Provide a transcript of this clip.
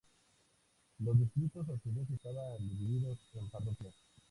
Los distritos a su vez estaban divididos en parroquias.